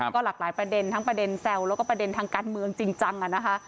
ก็หลากหลายประเด็นทั้งประเด็นแซวแล้วก็ประเด็นทางการเมืองจริงจังนะคะ